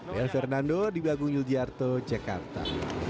bel fernando di bagung yogyakarta jakarta